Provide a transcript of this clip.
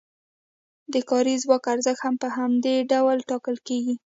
د کاري ځواک ارزښت هم په همدې ډول ټاکل کیږي.